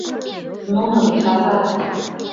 Нуным чарат.